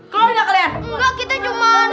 keluar keluar keluar